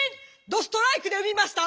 どストライクで産みました。